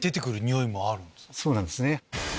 そうなんですね。